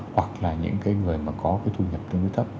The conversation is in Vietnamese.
hoặc là những người có thu nhập tương đối thấp